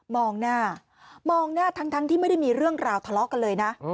มองหน้ามองหน้าทั้งที่ไม่ได้มีเรื่องราวทะเลาะกันเลยนะ